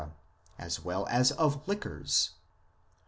as well as of liquors.